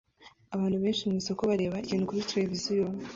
Abantu benshi mwisoko bareba ikintu kuri tereviziyo